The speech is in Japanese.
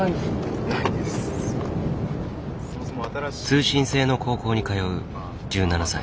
通信制の高校に通う１７歳。